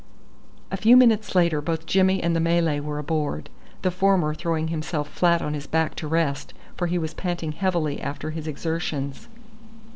A few minutes later both Jimmy and the Malay were aboard, the former throwing himself flat on his back to rest, for he was panting heavily after his exertions.